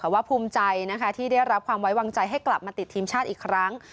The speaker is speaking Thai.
ไว้วางใจให้กลับมาติดทีมชาติอีกครั้ง